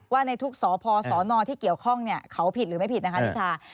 ว่าในทุกสอพสอนอนที่เกี่ยวข้องเนี่ยเขาผิดหรือไม่ผิดนะคะนิชา